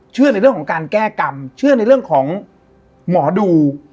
ในเรื่องของการแก้กรรมเชื่อในเรื่องของหมอดู